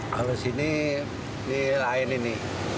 kalau sini ini lain ini